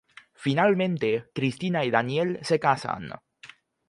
Finalmente, Cristina y Daniel se casan.